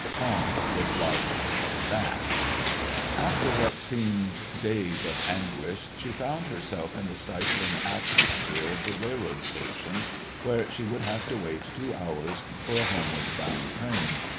Tom was like that! After what seemed days of anguish she found herself in the stifling atmosphere of the railroad station, where she would have to wait two hours for a homeward bound train.